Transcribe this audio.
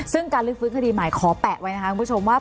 ซึ่งการลื้อฟื้นคดีใหม่ขอแปะไว้นะคะคุณผู้ชมว่า